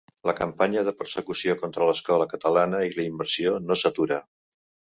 La campanya de persecució contra l’escola catalana i la immersió no s’atura.